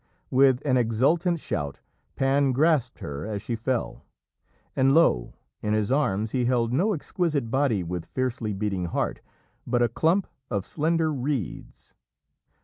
With an exultant shout, Pan grasped her as she fell. And lo, in his arms he held no exquisite body with fiercely beating heart, but a clump of slender reeds.